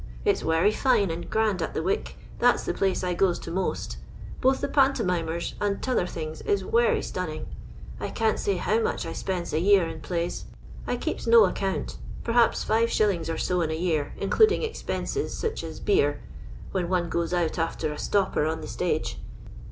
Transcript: It's werry fine and grand at the Wic, that 's the place I goes to most ; both the pantomimers and t' other things is werry stun ning. I can't say how much I spends a year in pbys ; I keeps no account ; perhaps 5s. or so in a year, including expenses, sich as beer, when one goes out after a stopper on the stage.